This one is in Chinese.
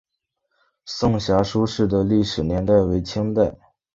颂遐书室的历史年代为清代。